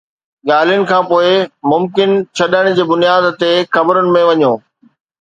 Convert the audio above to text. ڳالهين کانپوءِ ممڪن ڇڏڻ جي بنياد تي خبرن ۾ نه وڃو